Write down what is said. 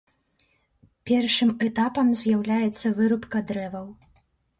Першым этапам з'яўляецца вырубка дрэваў.